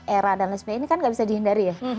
era dan lain sebagainya ini kan nggak bisa dihindari ya